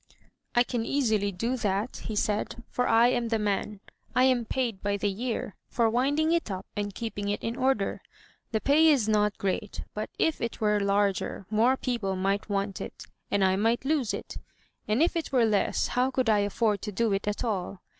*'" I can easily do that," he said, " for I am the man. I am paid by the year, for winding it up and keeping it in order. The pay is not great; but if it were larger, more people might want it, and I might lose it; and if it were less how could I afford to do it at all?